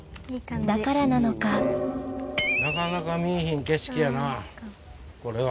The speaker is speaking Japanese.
だからなのかなかなか見ぃひん景色やなこれは。